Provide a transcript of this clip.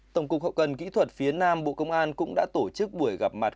tổng cục hậu cần kỹ thuật phía nam bộ công an cũng đã tổ chức buổi gặp mặt